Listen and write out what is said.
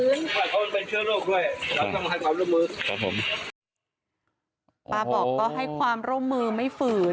ขอโทษเป็นเชื้อโรคด้วยแล้วทำให้ความร่วมมือครับผมป้าบอกก็ให้ความร่วมมือไม่ฝืน